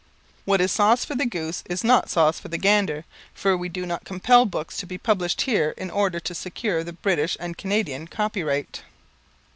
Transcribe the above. What is sauce for the goose is not sauce for the gander, for we do not compel books to be published here in order to secure the British and Canadian copyright.'"